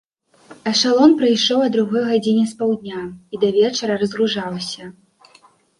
Эшалон прыйшоў а другой гадзіне спаўдня і да вечара разгружаўся.